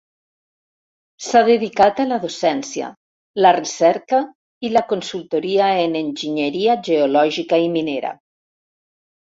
S’ha dedicat a la docència, la recerca i la consultoria en enginyeria geològica i minera.